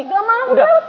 gak mau lewat sini